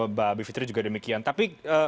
mbak bivitri juga demikian tapi